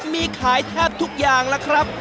มีขายแทบทุกอย่างแล้วครับ